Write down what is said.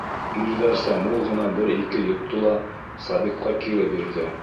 Ирҙәрсә мул ғына бер-ике йотто ла Сабитҡа кире бирҙе.